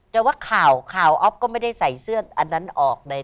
แต่ว่าข่าวข่าวอ๊อฟก็ไม่ได้ใส่เสื้ออันนั้นออกใด